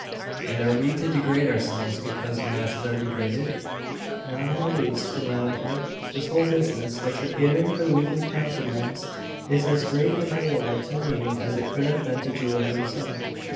'And are we to degrade ourselves because the masses are degraded?' 'Not in the least. For my own part, this whole business, like the catering for the weekly pantomimes, is as great a bore to me as it could have been to Julian himself.